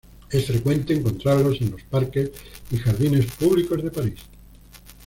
Es frecuente encontrarlos en los parques y jardines públicos de París.